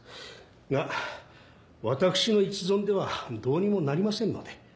が私の一存ではどうにもなりませんので。